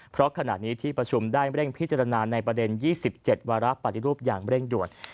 เพราะขณะนี้ที่ประชุมได้เร่งพิจารณาในประเด็น๒๗วาระปฏิรูปอย่างเร่งด่วน